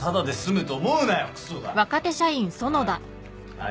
はい。